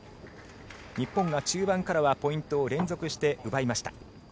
日本が中盤からはポイントを連続して奪いました。